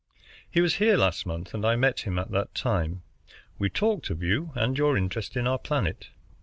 He was here last month, and I met him at that time. We talked of you and your interest in our planet.